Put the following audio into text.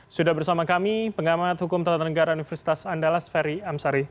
sudah bersama kami pengamat hukum tata negara universitas andalas ferry amsari